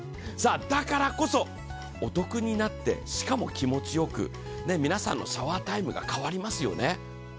だからこそ、お得になってしかも気持ちよく皆さんのシャワータイムが変わりますよね。